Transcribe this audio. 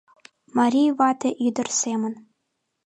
Марий вате ӱдыр семын